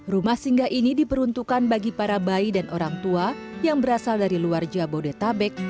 rumah singgah ini diperuntukkan bagi para bayi dan orang tua yang berasal dari luar jabodetabek